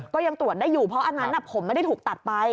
ก็ยังตรวจได้อยู่เพราะอันนั้นผมไม่ได้ถูกตัดไป